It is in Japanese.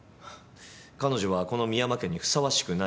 彼女はこの深山家にふさわしくない。